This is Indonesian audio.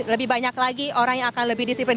lebih banyak lagi orang yang akan lebih disiplin